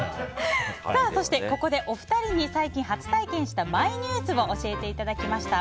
そしてここでお二人に最近初体験したマイニュースを教えてもらいました。